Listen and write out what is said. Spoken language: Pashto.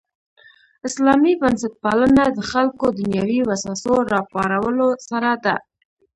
اسلامي بنسټپالنه د خلکو دنیوي وسوسو راپارولو سره ده.